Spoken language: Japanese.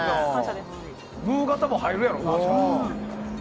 ムーガタも入るやろうな。